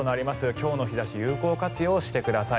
今日の日差し有効活用してください。